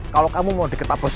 kalau kamu mau deket abu saya